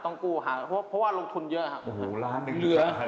ต้องกู้หาเพราะว่าลงทุนเยอะครับโอ้โฮร้านหนึ่งหรือครับ